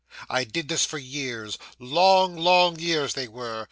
'I did this for years; long, long years they were.